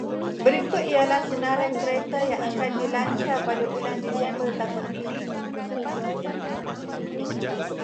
Berikut ialah senarai kereta yang akan dilancar pada bulan Disember tahun ini.